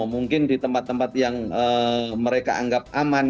mungkin di tempat tempat yang mereka anggap aman